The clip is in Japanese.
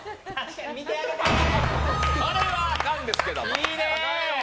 これは、あかんですけど。